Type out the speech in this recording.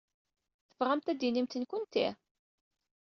Tebɣamt ad d-tinimt nekkenti?